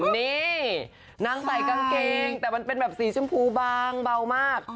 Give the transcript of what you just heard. นี่นางใส่กางเกงแต่มันเป็นแบบสีชมพูบางเบามาก